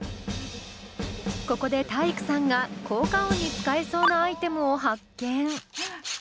ここで体育さんが効果音に使えそうなアイテムを発見。